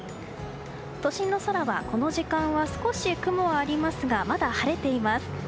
都心の空はこの時間は少し雲がありますがまだ晴れています。